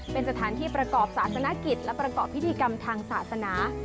เป็นสถานที่ประกอบศาสนกิจและประกอบพิธีกรรมทางศาสนา